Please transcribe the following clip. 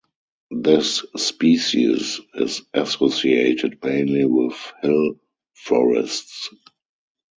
This species is associated mainly with hill forests.